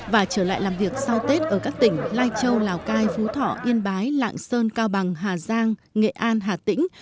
và trở lại làm việc sau tết ở các tỉnh lai châu lào cai phú thọ yên bái lạng sơn cao bằng hà giang nghệ an hà tĩnh